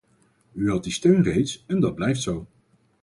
U had die steun reeds, en dat blijft zo.